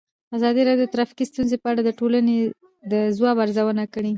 ازادي راډیو د ټرافیکي ستونزې په اړه د ټولنې د ځواب ارزونه کړې.